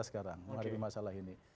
sekarang menghadapi masalah ini